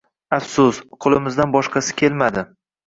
Afsus, qo`limizdan boshqasi kelmadi